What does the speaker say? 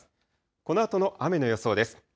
このあとの雨の予想です。